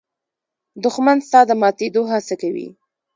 دښمن ستا د ماتېدو هڅه کوي